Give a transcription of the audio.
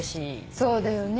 そうだよね。